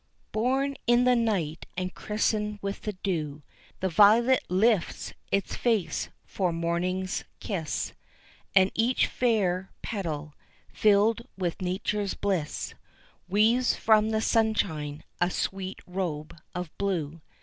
Born in the night and christened with the dew, The violet lifts its face for morning's kiss; And each fair petal, filled with Nature's bliss, Weaves from the sunshine a sweet robe of blue.